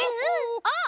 あっ！